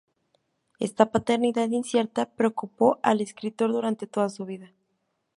Esta paternidad incierta preocupó al escritor durante toda su vida.